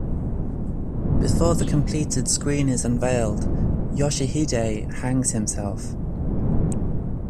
Before the completed screen is unveiled, Yoshihide hangs himself.